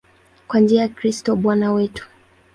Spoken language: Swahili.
Kwa njia ya Kristo Bwana wetu.